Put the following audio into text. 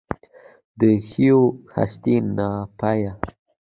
د ښېوې هستي ناپایه